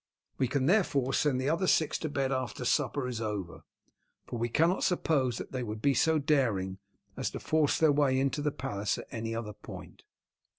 We can therefore send the other six to bed after supper is over, for we cannot suppose that they would be so daring as to force their way into the palace at any other point."